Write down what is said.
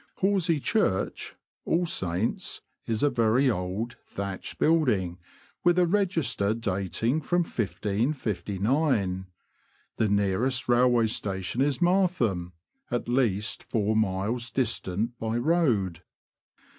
Horsey Church (All Saints') is a very old, thatched building, with a register dating from 1559. The nearest railway station is Martham, at least four miles distant by road.